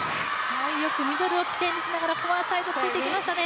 よくミドルを起点にしながらフォアサイド突いていきましたね。